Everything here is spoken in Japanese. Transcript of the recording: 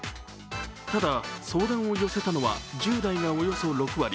ただ、相談を寄せたのは、１０代がおよそ６割。